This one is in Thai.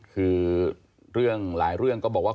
คือหลายเรื่องก็บอกว่า